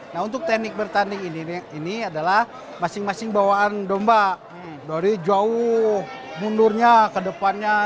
nah untuk teknik bertanding ini ini adalah masing masing bawaan domba dari jauh mundurnya ke depannya